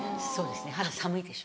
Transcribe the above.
そうですね「はださむい」。